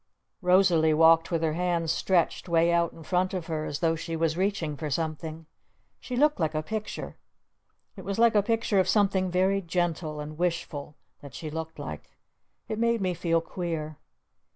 Rosalee walked with her hands stretched way out in front of her as though she was reaching for something. She looked like a picture. It was like a picture of something very gentle and wishful that she looked like. It made me feel queer.